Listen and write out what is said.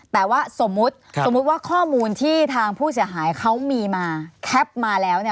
แต่ว่าสมมติว่าข้อมูลที่ทางผู้เสียหายเขามีมาแคปมาแล้วเนี่ย